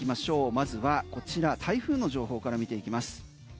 まずはこちら台風の情報から見ていきます。